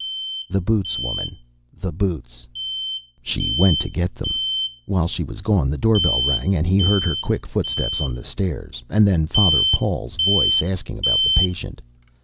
"The boots, woman, the boots." She went to get them. While she was gone, the doorbell rang, and he heard her quick footsteps on the stairs, and then Father Paul's voice asking about the patient.